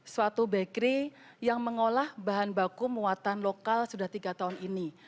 suatu bakery yang mengolah bahan baku muatan lokal sudah tiga tahun ini